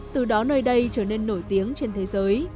từ đó nơi đây trở nên nổi tiếng trên thế giới